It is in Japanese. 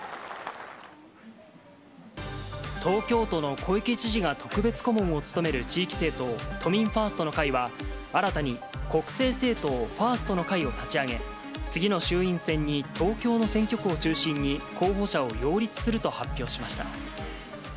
東京都の小池知事が特別顧問を務める地域政党、都民ファーストの会は、新たに国政政党、ファーストの会を立ち上げ、次の衆院選に東京の選挙区を中心に、候補者を擁立すると発表しました。